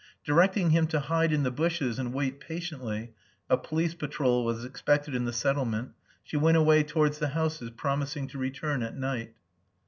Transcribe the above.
Directing him to hide in the bushes and wait patiently (a police patrol was expected in the Settlement) she went away towards the houses, promising to return at night.